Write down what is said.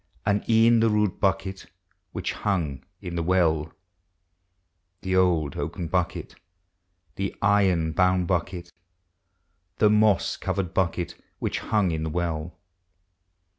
And e'en the rude bucket which hung in the well,— The old oaken bucket, the iron bound bucket. The moss covered bucket which hung in the well.